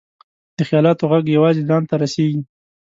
د خیالاتو ږغ یوازې ځان ته رسېږي.